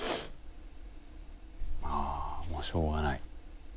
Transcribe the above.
あもうしょうがない。